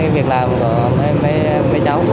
việc làm của mấy cháu